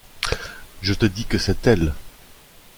Je te dis que c’est elle.